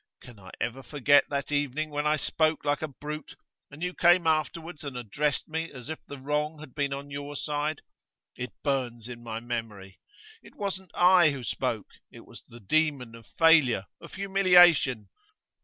Can I ever forget that evening when I spoke like a brute, and you came afterwards and addressed me as if the wrong had been on your side? It burns in my memory. It wasn't I who spoke; it was the demon of failure, of humiliation.